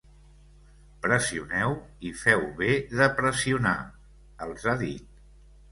Pressioneu, i feu bé de pressionar, els ha dit.